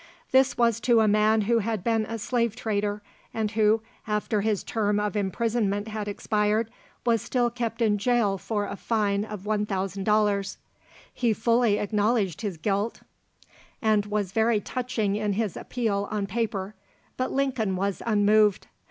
This was to a man who had been a slave trader, and who, after his term of imprisonment had expired, was still kept in jail for a fine of 1000 dollars. He fully acknowledged his guilt, and was very touching in his appeal on paper, but Lincoln was unmoved.